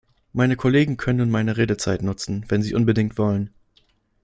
Meine Kollegen können nun meine Redezeit nutzen, wenn sie unbedingt wollen.